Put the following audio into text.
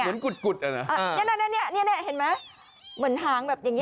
กุดอ่ะนะเนี่ยเห็นไหมเหมือนหางแบบอย่างนี้